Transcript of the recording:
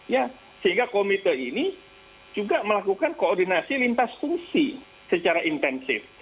ya sehingga komite ini juga melakukan koordinasi lintas fungsi secara intensif